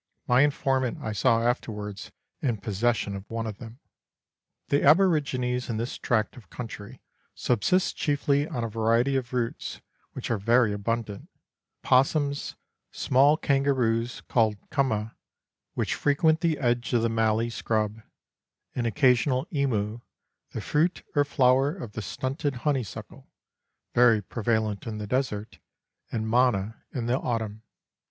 My informant I saw afterwards in possession of one of them. The aborigines in this tract of country subsist chiefly on a variety of roots which are very abundant, opossums, small kan garoos (called cumma) which frequent the edge of the mallee scrub, an occasional emu, the fruit or flower of the stunted honey suckle (very prevalent in the desert), and manna in the autumn.